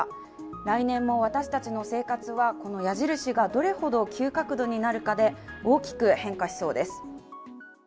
来年も私たちの生活はこの矢印がどれほど急角度になるかで大きく変化しそうです。